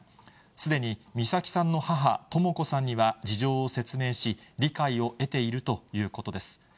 すでに美咲さんの母、とも子さんには事情を説明し、理解を得ているということです。